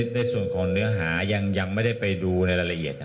ในส่วนของเนื้อหายังไม่ได้ไปดูในรายละเอียด